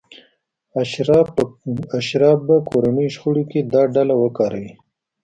اشراف به کورنیو شخړو کې دا ډله وکاروي.